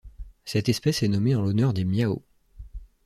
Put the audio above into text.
Cette espèce est nommée en l'honneur des Miao.